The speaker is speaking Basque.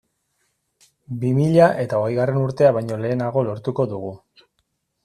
Bi mila eta hogeigarren urtea baino lehenago lortuko dugu.